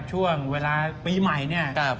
ช่วงเวลาปีใหม่เนี่ย